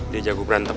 dia jago berantem